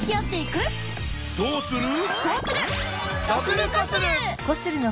こうする！